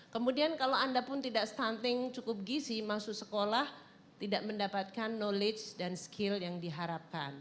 kemudian kalau anda pun tidak stunting cukup gizi masuk sekolah tidak mendapatkan knowledge dan skill yang diharapkan